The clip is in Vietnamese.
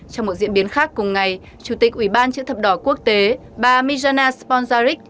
trong một diễn biến khác cùng ngay chủ tịch ủy ban chữ thập đỏ quốc tế bà mirjana sponjaric